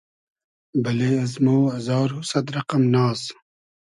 بئلې از مۉ ازار و سئد رئقئم ناز